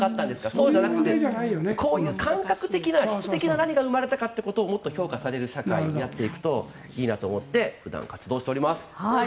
そうじゃなくてこういう感覚的な質的な何が生まれたかということをもっと評価される社会になっていくといいなと思って普段、活動しております。